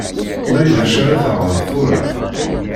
Wali d acu ara taɣeḍ tura.